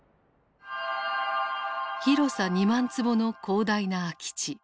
広さ２万坪の広大な空き地。